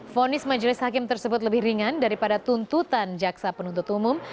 fonis majelis hakim tersebut lebih ringan daripada tuntutan jaksa penuntut umum